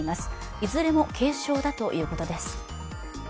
いずれも軽症だということです。